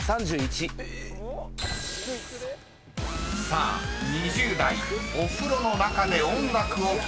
［さあ２０代お風呂の中で音楽を聴く